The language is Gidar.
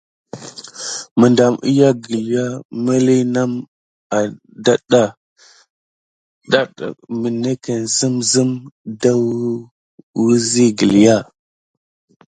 Medam wiya gəlya miliye name dadah adake minetken sim sime ɗaou wisi gəlya.